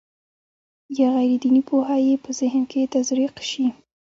یا غیر دیني پوهه یې په ذهن کې تزریق شي.